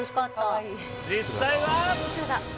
実際は？